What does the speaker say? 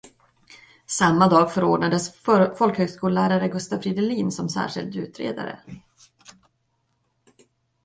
Samma dag förordnades folkhögskollärare Gustav Fridolin som särskild utredare.